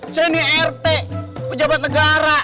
saya ini rt pejabat negara